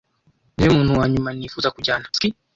Niwe muntu wanyuma nifuza kujyana ski.